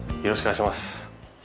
よろしくお願いします。